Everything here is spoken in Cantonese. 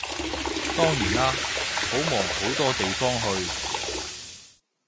當然啦，好忙好多地方去